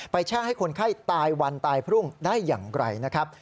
แช่งให้คนไข้ตายวันตายพรุ่งได้อย่างไรนะครับ